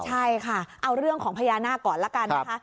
ใช่ค่ะเอาเรื่องของพญานาคก่อนละกันนะคะ